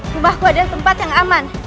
rumahku adalah tempat yang aman